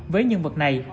với nhân vật này